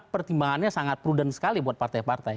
pertimbangannya sangat prudent sekali buat partai partai